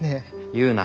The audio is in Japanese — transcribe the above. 言うな。